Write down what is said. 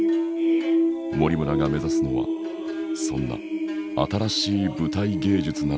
森村が目指すのはそんな新しい舞台芸術なのだ。